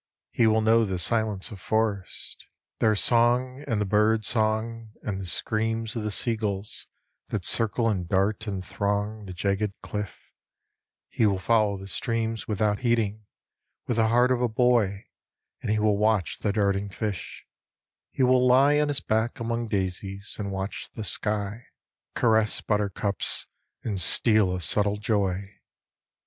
He will know the silence of forests, their song And the birds' song and the screams Of the seagulls that circle and dart and throng The jagged cliff ; he will follow the streams Without heeding, with the heart of a boy, And will watch the darting fish ; he will lie On his back among daisies and watch the sky ; Caress buttercups, and steal a subtle joy.